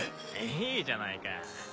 いいじゃないか。